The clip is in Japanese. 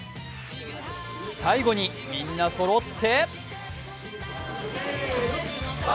最後に、みんなそろって！